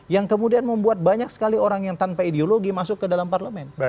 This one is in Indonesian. yang kemudian membuat banyak sekali orang yang tanpa ideologi masuk ke dalam parlemen